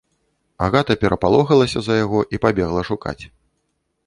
Агата перапалохалася за яго і пабегла шукаць.